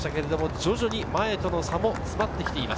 徐々に前との差も詰まってきています。